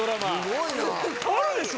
あるでしょ？